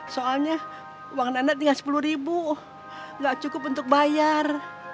soalnya uang nenek tinggal rp sepuluh gak cukup untuk bayar